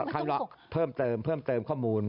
คำเลาะเพิ่มเติมเพิ่มเติมข้อมูล